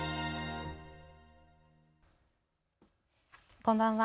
こんばんは。